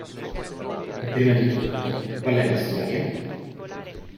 E prima di tutto, qual è la storia?